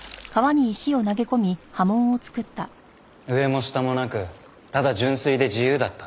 上も下もなくただ純粋で自由だった。